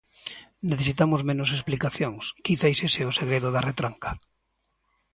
Necesitamos menos explicacións, quizais ese é o segredo da retranca.